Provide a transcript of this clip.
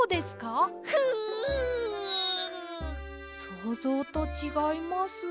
そうぞうとちがいます。